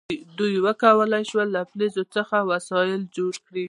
دوی وکولی شول له فلز څخه وسایل جوړ کړي.